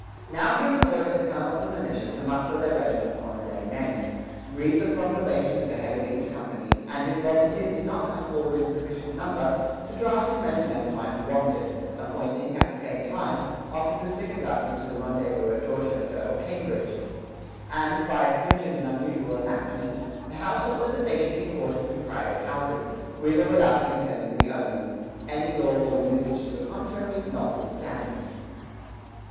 Now came an order to colonels of militia to muster their regiments on a day named, read the proclamation at the head of each company, and if volunteers did not come forward in sufficient number, to draft as many men as might be wanted, appointing, at the same time, officers to conduct them to the rendezvous at Dorchester or Cambridge; and, by a stringent and unusual enactment, the House ordered that they should be quartered in private houses, with or without the consent of the owners, "any law or usage to the contrary notwithstanding."